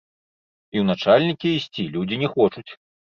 І ў начальнікі ісці людзі не хочуць.